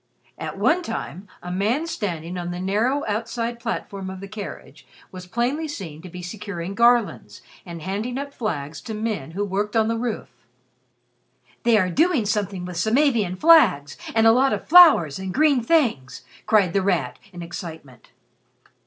At one time, a man standing on the narrow outside platform of the carriage was plainly seen to be securing garlands and handing up flags to men who worked on the roof. "They are doing something with Samavian flags and a lot of flowers and green things!" cried The Rat, in excitement.